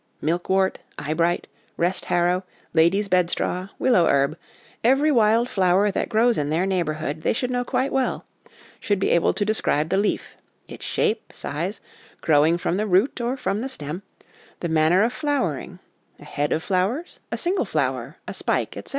Milkwort, eyebright, rest harrow, lady's bedstraw, willow herb, every wild flower that grows in their neighbourhood, they should know quite well ; should be able to describe the leaf its shape, size, growing from the root or from the stem ; the manner of flowering a head of flowers, a single flower, a spike, etc.